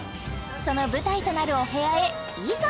その舞台となるお部屋へいざ！